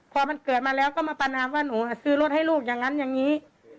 พอมันเกิดมาแล้วก็มาประนามว่าหนูซื้อรถให้ลูกอย่างนั้นอย่างนี้